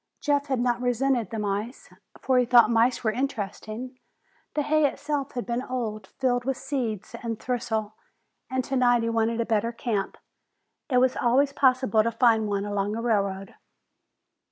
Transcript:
Jeff had not resented the mice, for he thought mice were interesting. The hay itself had been old, filled with seeds and thistles, and tonight he wanted a better camp. It was always possible to find one along a railroad.